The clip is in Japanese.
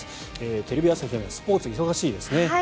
テレビ朝日スポーツで忙しいですね。